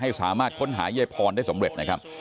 สามารถค้นหายายพรได้สำเร็จนะครับ